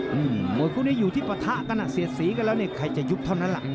มวยคู่นี้อยู่ที่ปะทะกันอ่ะเสียดสีกันแล้วเนี่ยใครจะยุบเท่านั้นล่ะ